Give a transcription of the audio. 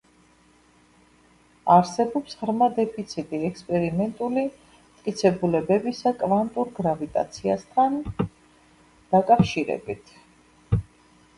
არსებობს ღრმა დეფიციტი ექსპერიმენტული მტკიცებულებებისა კვანტურ გრავიტაციასთან დაკავშირებით.